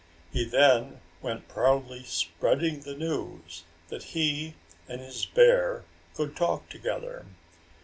He then went proudly spreading the news that he and his bear could talk together.